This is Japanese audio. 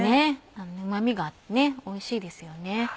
うまみがあっておいしいですよね。